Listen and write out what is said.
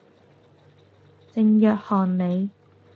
聖約翰里